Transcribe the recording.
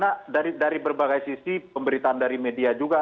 karena dari berbagai sisi pemberitaan dari media juga